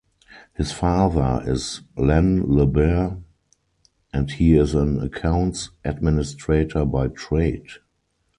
His father is Len Le Ber and he is an accounts administrator by trade.